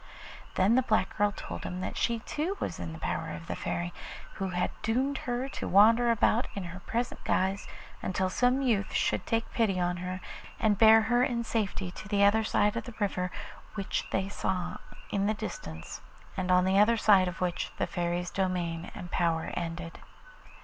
Then the black girl told him that she too was in the power of the Fairy, who had doomed her to wander about in her present guise until some youth should take pity on her and bear her in safety to the other side of the river which they saw in the distance, and on the other side of which the Fairy's domain and power ended.